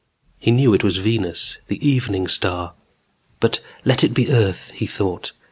He knew it was Venus, the Evening Star. But let it be Earth, he thought.